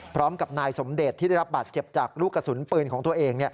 พร้อมกับนายสมเดชที่ได้รับบาดเจ็บจากลูกกระสุนปืนของตัวเอง